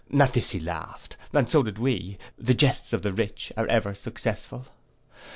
At this he laughed, and so did we:—the jests of the rich are ever successful.